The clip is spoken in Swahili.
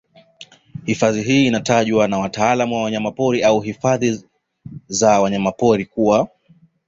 Hifadhi hii inatajwa na wataalamu wa wanyapori au hifadhi za wanyama kuwa